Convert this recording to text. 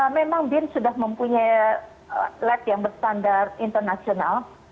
memang bin sudah mempunyai lab yang berstandar internasional